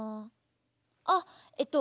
あっえっと